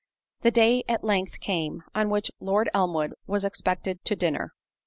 The day at length came, on which Lord Elmwood was expected to dinner.